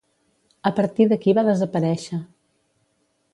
A partir d'aquí va desaparèixer.